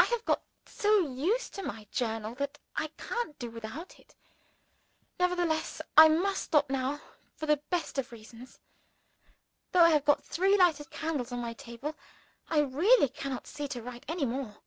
I have got so used to my Journal that I can't do without it. Nevertheless, I must stop now for the best of reasons. Though I have got three lighted candles on my table, I really cannot see to write any more.